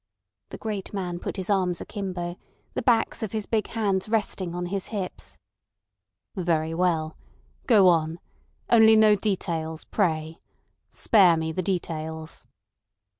The great man put his arms akimbo, the backs of his big hands resting on his hips. "Very well. Go on. Only no details, pray. Spare me the details."